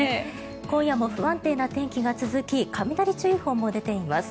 今夜も不安定な天気が続き雷注意報も出ています。